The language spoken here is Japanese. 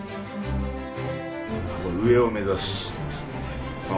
「上を目指す。」です。